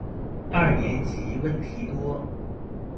二年級問題多